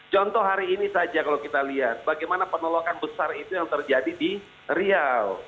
contoh hari ini saja kalau kita lihat bagaimana penolakan besar itu yang terjadi di riau